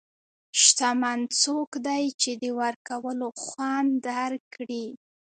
شتمن څوک دی چې د ورکولو خوند درک کړي.